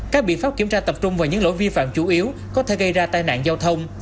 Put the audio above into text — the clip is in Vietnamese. các biện pháp kiểm tra tập trung vào những lỗi vi phạm chủ yếu có thể gây ra tai nạn giao thông